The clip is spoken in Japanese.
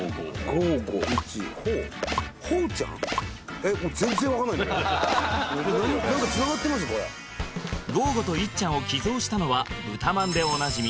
えっゴーゴとイッちゃんを寄贈したのは豚まんでおなじみ